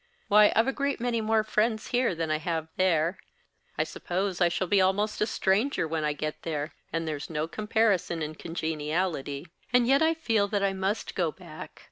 Why, I've a great many more friends here than I have there; I suppose I shall be almost a stranger when I get there, and there's no comparison in congeniality; and yet I feel that I must go back.